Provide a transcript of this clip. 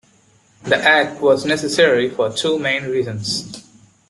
The act was necessary for two main reasons.